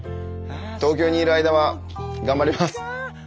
東京にいる間は頑張ります！